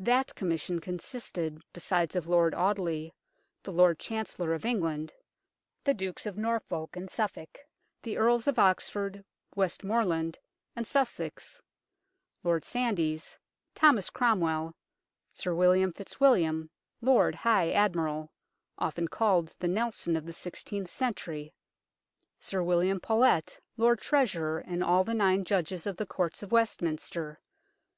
That Commission consisted besides of Lord Audeley, the Lord Chancellor of England ; the Dukes of Norfolk and Suffolk ; the Earls of Oxford, Westmorland and Sussex ; Lord Sandys ; Thomas Cromwell ; Sir William Fitzwilliam, Lord High Admiral often called "the Nelson of the sixteenth century "; Sir William Paulet, Lord Treasurer, and all the nine Judges of the Courts of Westminster.